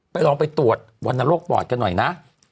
ลองไปตรวจวรรณโรคปอดกันหน่อยนะ